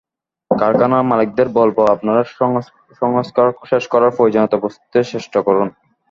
কারখানার মালিকদের বলব, আপনারা সংস্কার শেষ করার প্রয়োজনীয়তা বুঝতে চেষ্টা করুন।